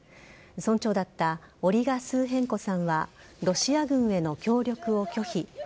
村長だったオリガ・スーヘンコさんはロシア軍への協力を拒否。